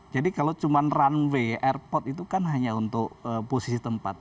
jadi kalau cuma runway airport itu kan hanya untuk posisi tempat